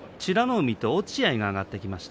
海と落合が上がってきました。